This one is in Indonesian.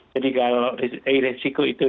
jadi kalau risiko itu